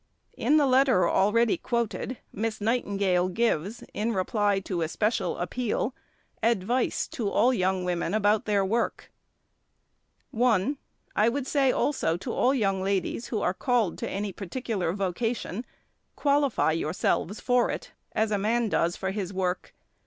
In the letter already quoted Miss Nightingale gives, in reply to a special appeal, advice to young women about their work: "1. I would say also to all young ladies who are called to any particular vocation, qualify yourselves for it, as a man does for his work.